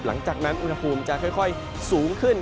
หลังจากนั้นอุณหภูมิจะค่อยสูงขึ้น